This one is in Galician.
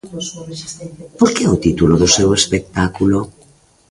Por que o título do seu espectáculo?